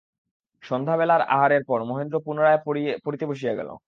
সন্ধ্যাবেলায় আহারের পর মহেন্দ্র পুনরায় পড়িতে বসিয়া গেল।